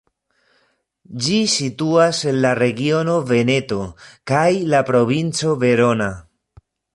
Ĝi situas en la regiono Veneto kaj la provinco Verona.